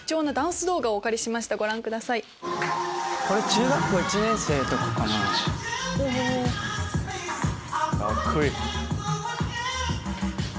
これ中学校１年生かな。カッコいい！